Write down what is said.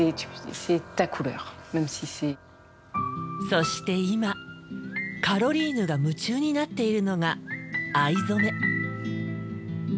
そして今カロリーヌが夢中になっているのが藍染め。